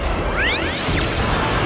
jangan berani kurang ajar padaku